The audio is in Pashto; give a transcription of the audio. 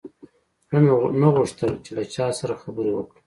زړه مې نه غوښتل چې له چا سره خبرې وکړم.